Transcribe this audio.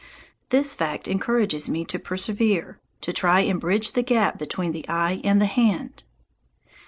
This fact encourages me to persevere, to try and bridge the gap between the eye and the hand.